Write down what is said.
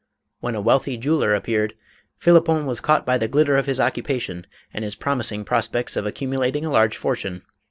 When a wealthy jeweller appeared, Phlippon was caught by the glitter of his occupation and his promising pros pects of accumulating a large fortune.